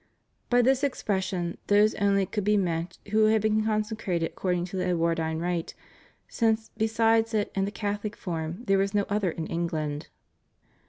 By this ex pression those only could be meant who had been con secrated according to the Edwardine rite, since besides it and the Cathohc form there was then no other in England.